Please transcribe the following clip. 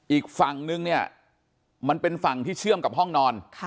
อีกฝั่งนึงเนี่ยมันเป็นฝั่งที่เชื่อมกับห้องนอน